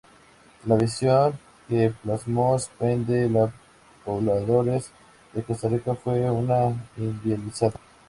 La visión que plasmó Span de los pobladores de Costa Rica fue una idealizada.